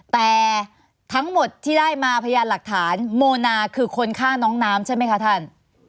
แต่ทั้งหมดที่ได้มาพยานหลักฐานโมนาคือคนฆ่าน้องน้ำใช่ไหมคะท่าน